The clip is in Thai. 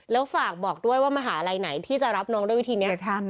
แล้วฝากบอกด้วยว่ามหาลัยไหนที่จะรับน้องด้วยวิธีนี้